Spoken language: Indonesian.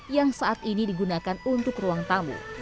yang saat ini digunakan untuk ruang tamu